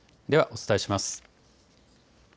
ではお伝えします。